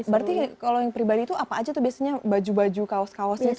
berarti kalau yang pribadi itu apa aja tuh biasanya baju baju kaos kaosnya sih